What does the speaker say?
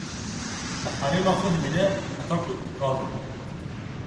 Li herêma xwe dimîne heta ku kal dibe.